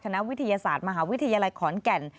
นักวิทยาศาสตร์มหาวิทยาลัยขอนแก่น